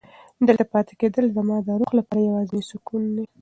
دلته پاتې کېدل زما د روح لپاره یوازینی سکون دی.